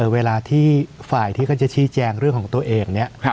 เวลาที่ฝ่ายที่เขาจะชี้แจงเรื่องของตัวเองเนี่ย